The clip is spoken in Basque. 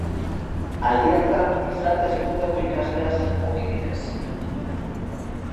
Aldi hartan, Gizarte Hezkuntzako ikaslea zen ogibidez.